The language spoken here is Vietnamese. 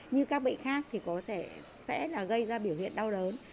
như các bệnh khác thì có sẽ gây ra biểu hiện đau đớn